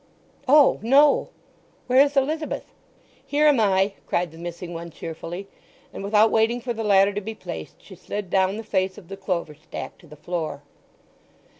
"Oh—no! Where is Elizabeth?" "Here am I!" cried the missing one cheerfully; and without waiting for the ladder to be placed she slid down the face of the clover stack to the floor.